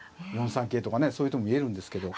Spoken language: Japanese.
４三桂とかねそういう手も見えるんですけど。